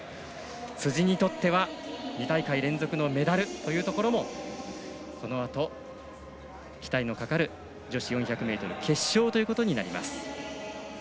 辻にとっては２大会連続のメダルというところもこのあと期待のかかる女子４００ｍ決勝ということになります。